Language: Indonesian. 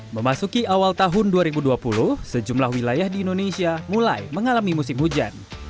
memasuki awal tahun dua ribu dua puluh sejumlah wilayah di indonesia mulai mengalami musim hujan